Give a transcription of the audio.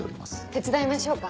手伝いましょうか？